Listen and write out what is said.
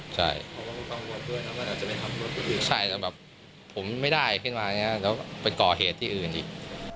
ใช่ใช่แต่แบบผมไม่ได้ขึ้นมาอย่างนี้แล้วไปก่อเหตุที่อื่นอีก